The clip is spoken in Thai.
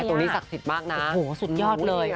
ตรงนี้ศักดิ์สิทธิ์มากนะโอ้โหสุดยอดเลย